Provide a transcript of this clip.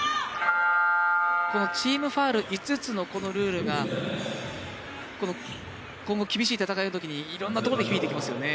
このチームファウル５つのこのルールが今後、厳しい戦いになったときにいろんなところで響いてきますよね。